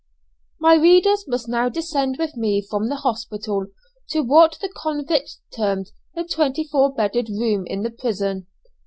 My readers must now descend with me from the hospital, to what the convicts termed the twenty four bedded room in the prison.